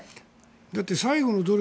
だって最後の努力